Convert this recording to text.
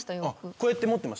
こうやって持ってました？